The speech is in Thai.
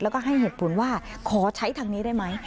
แล้วก็ให้เหตุผลว่าขอใช้ทางนี้ได้ไหม